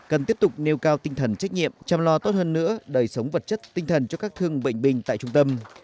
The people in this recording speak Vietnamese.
cần tiếp tục nêu cao tinh thần trách nhiệm chăm lo tốt hơn nữa đời sống vật chất tinh thần cho các thương bệnh binh tại trung tâm